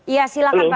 ya silakan pak sugeng